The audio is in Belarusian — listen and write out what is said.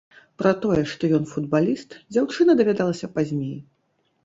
Пра тое, што ён футбаліст, дзяўчына даведалася пазней.